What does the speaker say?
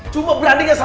cuma berani gak salah